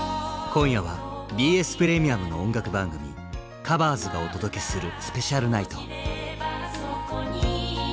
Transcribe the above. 今夜は「ＢＳプレミアム」の音楽番組「ＴｈｅＣｏｖｅｒｓ」がお届けするスペシャルナイト。